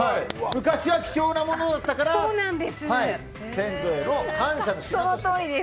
昔は貴重なものだったから先祖への感謝の印として。